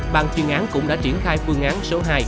bàn chuyên án cũng đã triển khai phương án số hai